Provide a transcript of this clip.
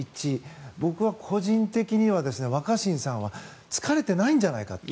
僕は個人的には若新さんは疲れてないんじゃないかって。